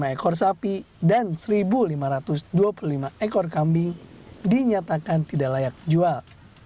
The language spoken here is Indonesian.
lima ekor sapi dan satu lima ratus dua puluh lima ekor kambing dinyatakan tidak layak jual